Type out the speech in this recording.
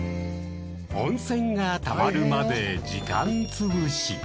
温泉がたまるまで時間潰し。